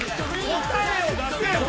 答えを出せよ！